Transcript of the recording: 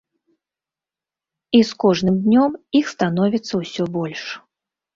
І з кожным днём іх становіцца ўсё больш.